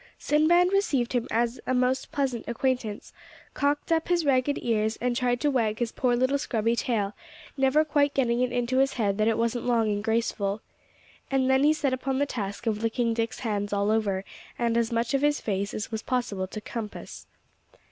Sinbad received him as a most pleasant acquaintance, cocked up his ragged ears, and tried to wag his poor little scrubby tail, never quite getting it into his head that it wasn't long and graceful. And then he set upon the task of licking Dick's hands all over, and as much of his face as was possible to compass.